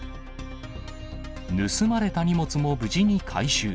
盗まれた荷物も無事に回収。